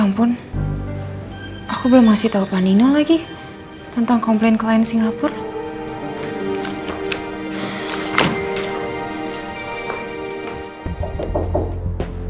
ya ampun aku belum masih tahu pak nino lagi tentang komplain klien singapura